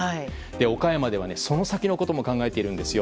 岡山ではその先のことも考えているんですよ。